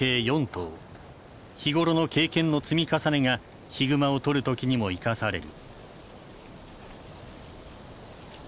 日頃の経験の積み重ねがヒグマを捕る時にも生かされる。